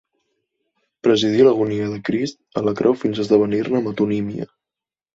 Presidí l'agonia de Crist a la creu fins esdevenir-ne metonímia.